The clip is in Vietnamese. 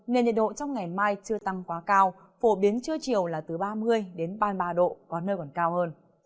nền nhiệt độ trong ngày mai chưa tăng quá cao phổ biến trưa chiều là từ ba mươi đến ba mươi ba độ có nơi còn cao hơn